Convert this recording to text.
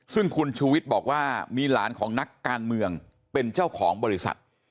ซึ่งคุณชูวิทย์บอกว่ามีหลานของนักการเมืองเป็นเจ้าของบริษัท